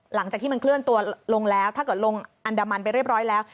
หลังจากที่มันเคลื่อนตัวลงลงอันดามันไปเรียบร้อยแล้ว